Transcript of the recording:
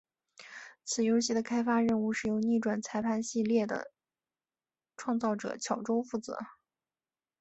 此游戏的开发任务是由逆转裁判系列的创造者巧舟负责。